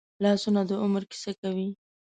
لاسونه د عمر کیسه کوي